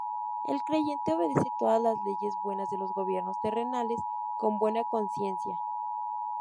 El creyente obedece todos las leyes buenas de los gobiernos terrenales con buena conciencia.